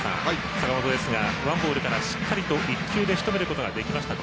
坂本ですが、ワンボールからしっかりと１球でしとめることができましたと。